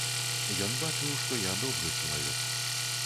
Ён бачыў, што я добры чалавек.